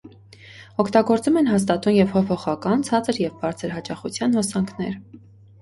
Օգտագործում են հաստատուն և փոփոխական (ցածր և բարձր հաճախության) հոսանքներ։